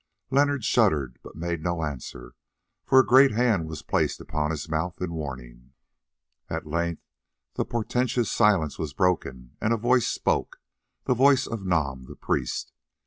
Leonard shuddered, but made no answer, for a great hand was placed upon his mouth in warning. At length the portentous silence was broken and a voice spoke, the voice of Nam the priest.